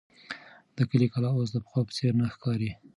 د کلي کلا اوس د پخوا په څېر نه ښکاري.